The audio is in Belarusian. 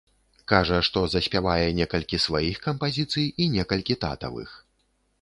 Кажа, што заспявае некалькі сваіх кампазіцый і некалькі татавых.